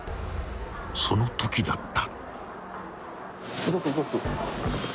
［そのときだった］